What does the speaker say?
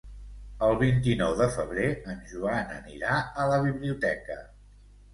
El vint-i-nou de febrer en Joan anirà a la biblioteca.